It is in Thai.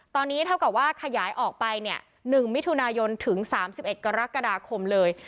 ตอนนี้เท่ากับว่าขยายออกไปเนี่ย๑มิถุนายนถึง๓๑กรกฎาคมเลย